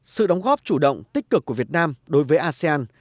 sự đóng góp chủ động tích cực của việt nam đối với asean